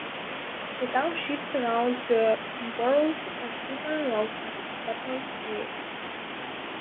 The township surrounds the borough of Slippery Rock but is separate from it.